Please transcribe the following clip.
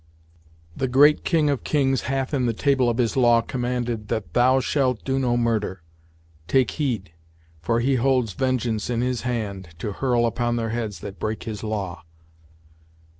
"The great King of Kings Hath in the table of his law commanded, That thou shalt do no murder. Take heed; for he holds vengeance in his hand, To hurl upon their heads that break his law."